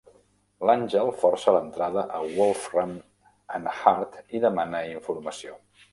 L'Angel força l'entrada a Wolfram and Hart i demana informació.